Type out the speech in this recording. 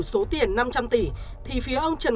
số tiền năm trăm linh tỷ thì phía ông trần